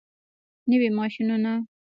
نوي ماشینونه.